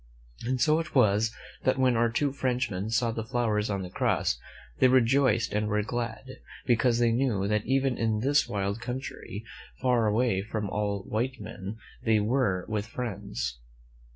And so it was that when our two Frenchmen saw the flowers on the cross, they rejoiced and were glad, because they knew that even in this wild coun try, far away from all white men, they were with friends.